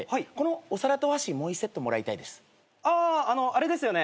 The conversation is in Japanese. あれですよね。